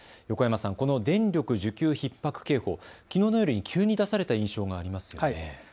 横山さん、この電力需給ひっ迫警報、きのうの夜に急に出された印象がありますね。